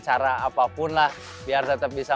cara apapun lah biar tetap bisa